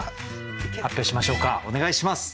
発表しましょうかお願いします。